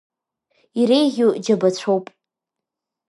Иреиӷьу џьабацәоуп.